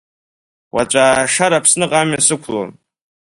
Уаҵәы аашар Аԥсныҟа амҩа сықәлон.